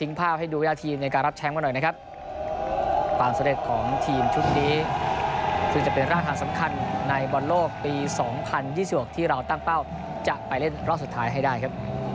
ทิ้งภาพให้ดูกับยาทีมในการรับแชมพ์ก็หน่อยนะครับ